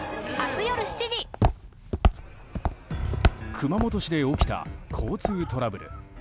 熊本市で起きた交通トラブル。